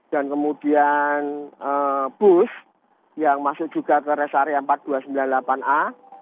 dan kemudian bus yang masuk juga ke rest area empat ribu dua ratus sembilan puluh delapan a